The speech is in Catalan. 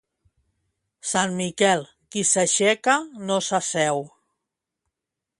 Sant Miquel, qui s'aixeca no s'asseu.